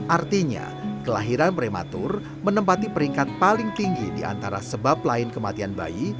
artinya kelahiran prematur menempati peringkat paling tinggi di antara sebab lain kematian bayi